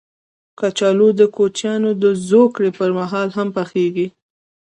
کچالو د کوچنیانو د زوکړې پر مهال هم پخېږي